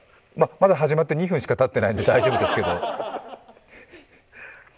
まだ始まって２分しかたってないので大丈夫ですけど。